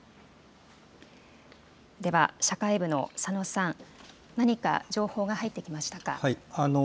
では、社会部の佐野さん、何か情報は入ってきましたか。